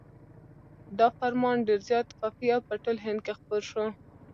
دا فرمان ډېر زیات کاپي او په ټول هند کې خپور شو.